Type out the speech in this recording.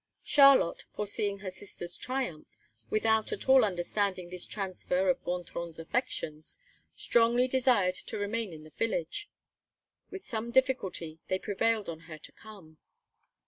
Charlotte, foreseeing her sister's triumph, without at all understanding this transfer of Gontran's affections, strongly desired to remain in the village. With some difficulty they prevailed on her to come.